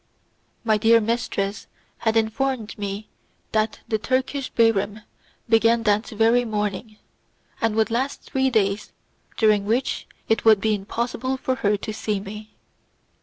My dear mistress had informed me that the Turkish Bairam began that very morning, and would last three days during which it would be impossible for her to see me.